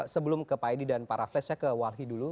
sebelum ke pak edi dan pak raffles saya ke walhi dulu